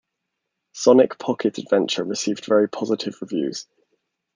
"Sonic Pocket Adventure" received very positive reviews.